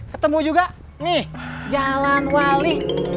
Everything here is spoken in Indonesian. ketemu juga nih jalan wali